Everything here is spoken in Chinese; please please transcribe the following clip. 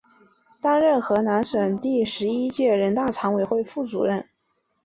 担任河南省第十一届人大常委会副主任。